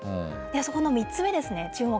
そこの３つ目ですね、注目。